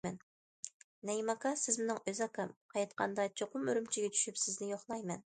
نەيىم ئاكا سىز مېنىڭ ئۆز ئاكام، قايتقاندا چوقۇم ئۈرۈمچىگە چۈشۈپ سىزنى يوقلايمەن.